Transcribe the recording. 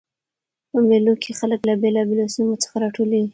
په مېلو کښي خلک له بېلابېلو سیمو څخه راټولیږي.